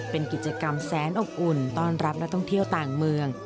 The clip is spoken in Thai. เป็นกิจกรรมแสนอบอุ่นต้อนรับนักท่องเที่ยวต่างเมือง